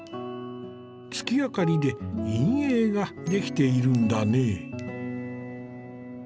月明かりで陰影ができているんだね。